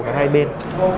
cả hai bên